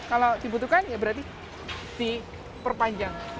kalau dibutuhkan ya berarti diperpanjang